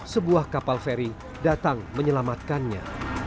sebuah kapal feri datang menyelamatkannya